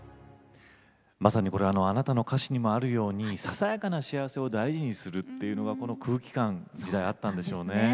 まさに「あなた」の歌詞にあるように、ささやかな幸せを大事にするというのが空気感みたいなものがあったんでしょうね。